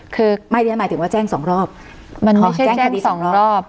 คือไม่หมายถึงว่าแจ้งสองรอบมันไม่ใช่แจ้งสองรอบ